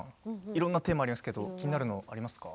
いろんなテーマがありますけど気になるのがありますか？